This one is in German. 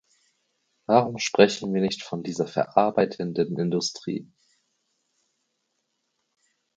Warum sprechen wir nicht von dieser verarbeitenden Industrie?